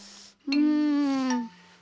うん。